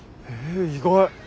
え意外。